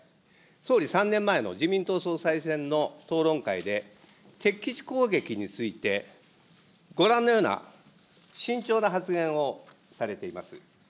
総理、３年前の自民党総裁選の討論会で、敵基地攻撃について、ご覧のような慎重な発言をされています。